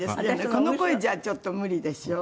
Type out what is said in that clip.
この声じゃちょっと無理でしょう？